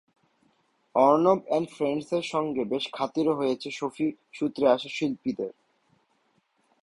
Arnab and ফ্রেন্ডসের সঙ্গে বেশ খাতিরও হয়ে গেছে সুফি সূত্রে আসা শিল্পীদের।